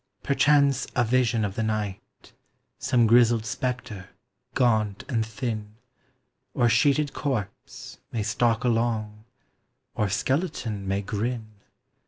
Perchance a vision of the night, Some grizzled spectre, gaunt and thin, Or sheeted corpse, may stalk along, Or skeleton may grin.